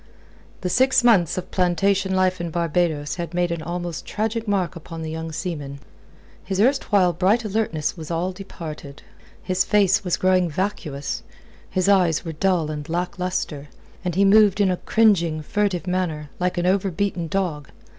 The six months of plantation life in Barbados had made an almost tragic mark upon the young seaman. His erstwhile bright alertness was all departed. His face was growing vacuous, his eyes were dull and lack lustre, and he moved in a cringing, furtive manner, like an over beaten dog.